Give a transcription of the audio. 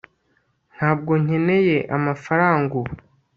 ntabwo nkeneye amafaranga ubu